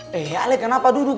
terima kasih ya pak